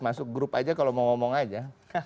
masuk grup aja kalau mau ngomong aja